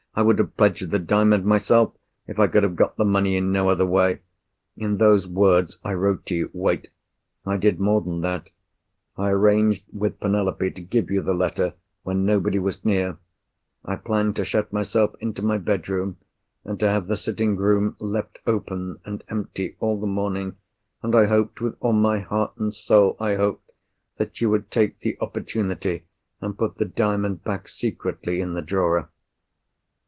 "I would have pledged the Diamond myself, if I could have got the money in no other way! In those words I wrote to you. Wait! I did more than that. I arranged with Penelope to give you the letter when nobody was near. I planned to shut myself into my bedroom, and to have the sitting room left open and empty all the morning. And I hoped—with all my heart and soul I hoped!—that you would take the opportunity, and put the Diamond back secretly in the drawer."